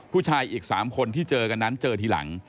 ผู้ชายอีก๓คนที่เจอกันนั้นเจอทีหลัง